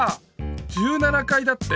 １７かいだって。